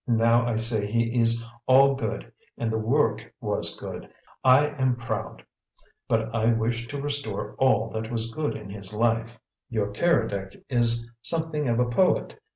Now, I say he is all good and the work was good; I am proud! But I wish to restore ALL that was good in his life; your Keredec is something of a poet.